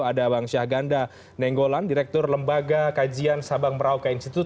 ada bang syahganda nenggolan direktur lembaga kajian sabang merauke institute